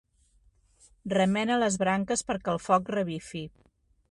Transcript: Remena les branques perquè el foc revifi.